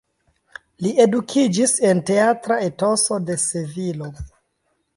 Li edukiĝis en teatra etoso de Sevilo.